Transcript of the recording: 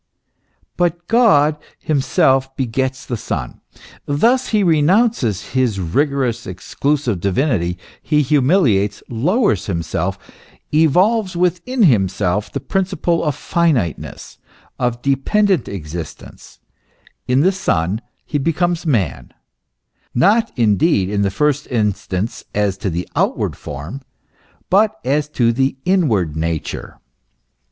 But God the . Father himself begets the Son ; thus he re nounces his rigorous, exclusive divinity ; he humiliates, lowers himself, evolves within himself the principle of finiteness, of dependent existence ; in the Son he becomes man, not indeed, in the first instance, as to the outward form, but as to the inward nature.